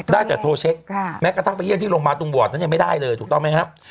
ได้แต่โทรเช็คแม้กระทั่งไปเยี่ยมที่โรงพยาบาลตรงวอร์ดนั้นยังไม่ได้เลยถูกต้องไหมครับ